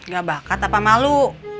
gak bakat apa malu